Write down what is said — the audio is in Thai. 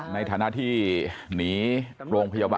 ในฐานะที่หนีโรงพยาบาล